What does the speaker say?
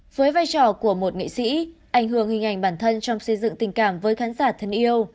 với vai trò của một nghệ sĩ ảnh hưởng hình ảnh bản thân trong xây dựng tình cảm với khán giả thân yêu